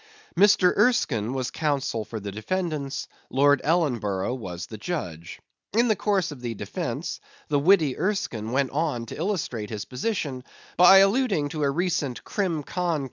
Mr. Erskine was counsel for the defendants; Lord Ellenborough was the judge. In the course of the defence, the witty Erskine went on to illustrate his position, by alluding to a recent crim. con.